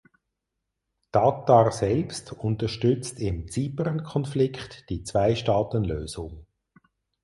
Tatar selbst unterstützt im Zypernkonflikt die Zweistaatenlösung.